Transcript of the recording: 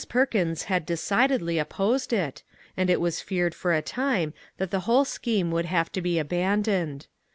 Perkins had decidedly opposed it, and it was feared for a time that the whole scheme would have to be abandoned.